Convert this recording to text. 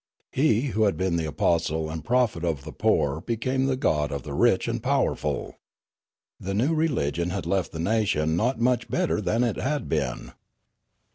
He who had been the apostle and prophet of the poor be came the god of the rich and powerful. The new religion had left the nation not much better than it had been.